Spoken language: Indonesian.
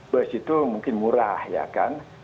bus itu mungkin murah ya kan